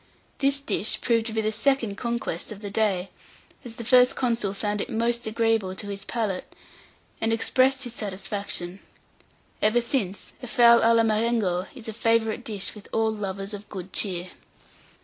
This dish proved the second conquest of the day, as the first consul found it most agreeable to his palate, and expressed his satisfaction. Ever since, a fowl à la Marengo is a favourite dish with all lovers of good cheer.